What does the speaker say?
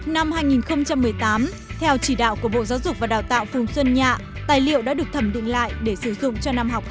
năm hai nghìn một mươi tám theo chỉ đạo của bộ giáo dục và đào tạo phùng xuân nhạ tài liệu đã được thẩm định lại để sử dụng cho năm học hai nghìn một mươi tám hai nghìn một mươi ba